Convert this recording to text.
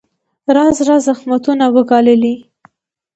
راز راز زحمتونه وګاللې.